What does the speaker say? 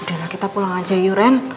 udah lah kita pulang aja yu ren